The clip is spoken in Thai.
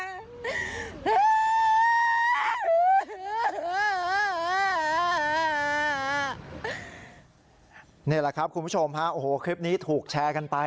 นี่แหละครับคุณผู้ชมฮะโอ้โหคลิปนี้ถูกแชร์กันไป